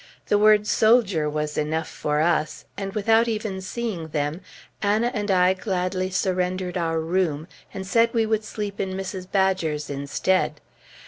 The word "soldier" was enough for us; and without even seeing them, Anna and I gladly surrendered our room, and said we would sleep in Mrs. Badger's, instead.